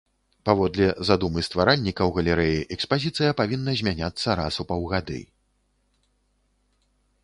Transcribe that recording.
Паводле задумы стваральнікаў галерэі экспазіцыя павінна змяняцца раз у паўгады.